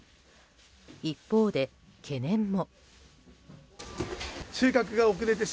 一方で懸念も。